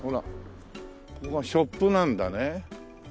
ここがショップなんだね。